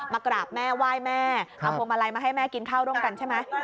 มากราบแม่ไหว้แม่มาให้แม่กินข้าวด้วยใช่ไหม